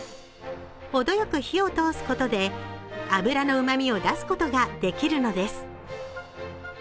程よく火を通すことで、脂のうまみを出すことができるのです。